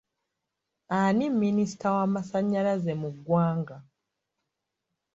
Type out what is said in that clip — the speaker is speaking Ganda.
Ani minisita w'amasannyalaze mu ggwanga?